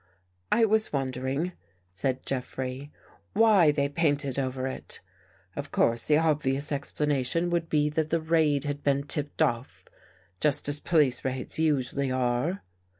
"" I was wondering," said Jeffrey, " why they painted over it. Of course the obvious explanation would be that the raid had been tipped off, just as police raids usually are."